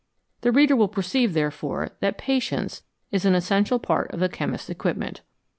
The reader will perceive, therefore, that patience is an essential part of the chemist's equipment.